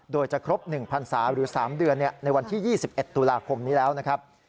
โดยจะครบ๑พันศาหรือ๓เดือนในวันที่๒๑ตุลาคมนี้แล้วนะครับ